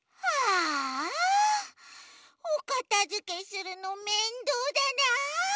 あおかたづけするのめんどうだな。